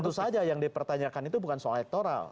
tentu saja yang dipertanyakan itu bukan soal elektoral